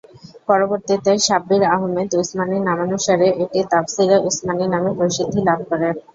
পরবর্তীতে শাব্বির আহমেদ উসমানির নামানুসারে এটি তাফসীরে উসমানী নামে প্রসিদ্ধি লাভ করে।